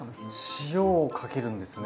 塩をかけるんですね。